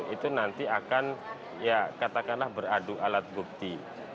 itu nanti akan ya katakanlah beradu alat bukti